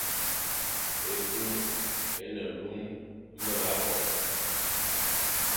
Ekum e lum me abo ;